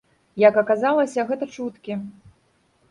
Як аказалася, гэта чуткі.